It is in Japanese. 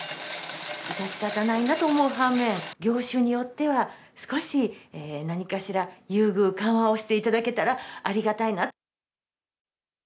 致し方ないなと思う反面、業種によっては、少し何かしら優遇、緩和をしていただけたら、ありがたいなと。